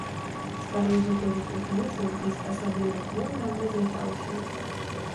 Стары гэта запрыкмеціў і з асаблівым гонарам развітаўся.